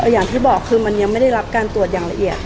อย่างที่บอกคือมันยังไม่ได้รับการตรวจอย่างละเอียด